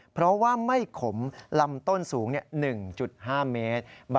เพราะว่าไม่ขมลำต้นสูง๑๕เมตร